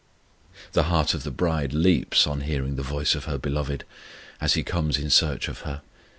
The heart of the bride leaps on hearing the voice of her Beloved, as He comes in search of her.